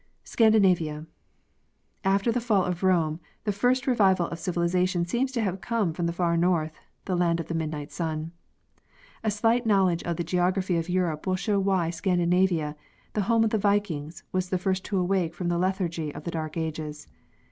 Scandinavia. After the fall of Rome the first revival of civilization seems to have come from the far north, "The land of the midnight sun." A slight knowledge of the geography of Europe will show why Scandinavia, the home of the vikings, was the first to awake from the lethargy of the dark ages.